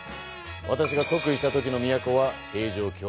わたしが即位した時の都は平城京。